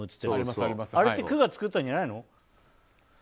あれって区が作ったんじゃないの？